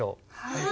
はい。